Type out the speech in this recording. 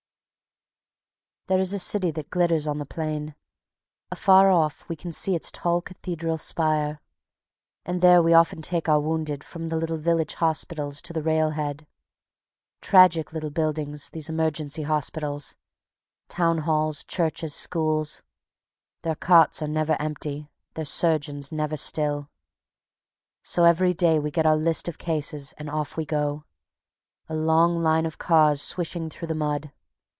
There is a city that glitters on the plain. Afar off we can see its tall cathedral spire, and there we often take our wounded from the little village hospitals to the rail head. Tragic little buildings, these emergency hospitals town halls, churches, schools; their cots are never empty, their surgeons never still. So every day we get our list of cases and off we go, a long line of cars swishing through the mud.